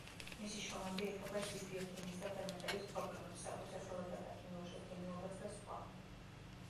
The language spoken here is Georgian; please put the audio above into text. მისი შრომები ეხება რძის ბიოქიმიის და ფერმენტების პრობლემებს, საკვებ საშუალებათა ქიმიურ შედგენილობას და სხვა.